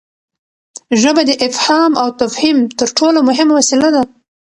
ژبه د افهام او تفهیم تر ټولو مهمه وسیله ده.